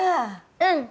うん！